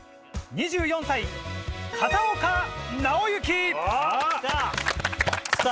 ２４歳片岡尚之。